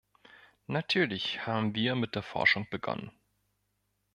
Natürlich haben wir mit der Forschung begonnen.